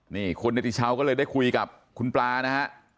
นี่คุณนิติเช้าก็เลยได้คุยกับคุณปลานะครับ